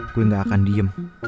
gue ga akan diem